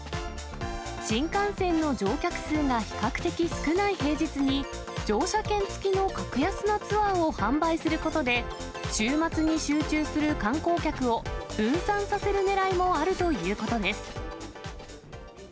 新幹線の乗客数が比較的少ない平日に、乗車券付きの格安なツアーを販売することで、週末に集中する観光客を分散させるねらいもあるということです。